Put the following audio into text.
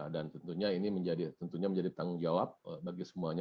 dan tentunya ini menjadi tanggung jawab bagi semuanya